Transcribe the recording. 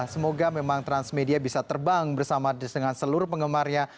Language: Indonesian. semoga memang transmedia bisa terbang bersama dengan seluruh penggemarnya